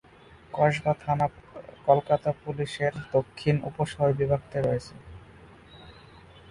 কসবা থানা কলকাতা পুলিশ এর দক্ষিণ উপশহর বিভাগ তে রয়েছে।